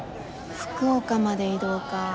福岡まで移動か。